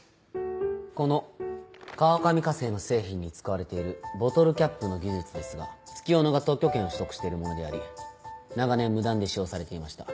この川上化成の製品に使われているボトルキャップの技術ですが月夜野が特許権を取得しているものであり長年無断で使用されていました。